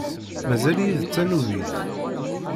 Mazal-iyi d tanubit.